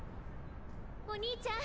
・お兄ちゃん！